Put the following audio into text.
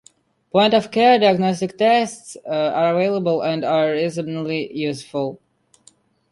Point of care diagnostic tests are available and are reasonably useful.